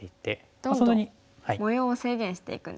どんどん模様を制限していくんですね。